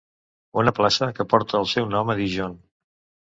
Una plaça que porta el seu nom a Dijon.